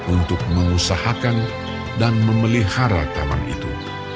untuk mengusahakan dan memelihara taman itu